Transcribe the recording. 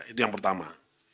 itu yang pertama